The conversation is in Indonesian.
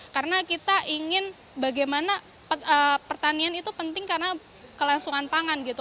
karena kita ingin bagaimana pertanian itu penting karena kelangsungan pangan gitu